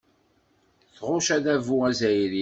Tɣucc adabu azzayri.